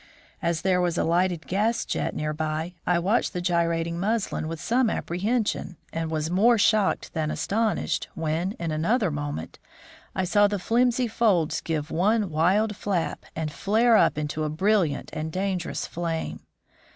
As there was a lighted gas jet near by, I watched the gyrating muslin with some apprehension, and was more shocked than astonished when, in another moment, I saw the flimsy folds give one wild flap and flare up into a brilliant and dangerous flame.